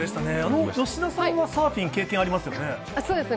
吉田さんはサーフィン、経験ありますよね？